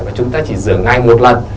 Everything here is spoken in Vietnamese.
và chúng ta chỉ rửa ngày một lần